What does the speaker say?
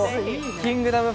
「キングダム」